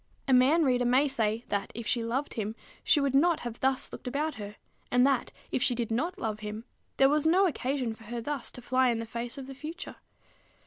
A man reader may say, that, if she loved him, she would not have thus looked about her; and that, if she did not love him, there was no occasion for her thus to fly in the face of the future.